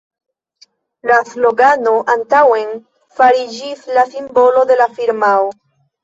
La slogano «Antaŭen!» fariĝis la simbolo de la firmao.